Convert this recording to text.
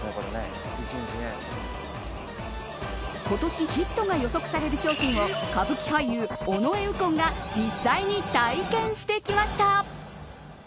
今年、ヒットが予測される商品を歌舞伎俳優尾上右近が実際に体験してきました。